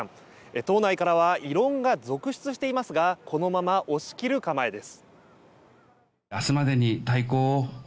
党内からは異論が続出していますがこのまま押し切る構えです。